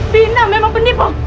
bidang memang penipu